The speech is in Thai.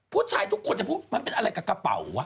ผู้ชายทุกคนจะพูดมันเป็นอะไรกับกระเป๋าวะ